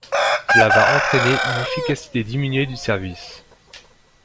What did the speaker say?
Cela va entrainer une efficacité diminuée du service.